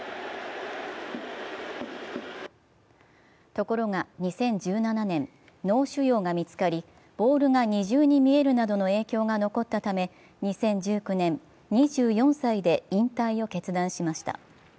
ところが２０１７年、脳腫瘍が見つかりボールが二重に見えるなどの影響が残ったため２０１９年、２４歳で引退を決断しました